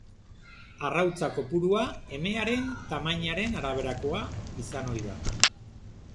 Arrautza kopurua emearen tamainaren araberako izan ohi da.